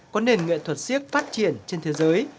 có nền nghệ thuật siếc phát triển trên thế giới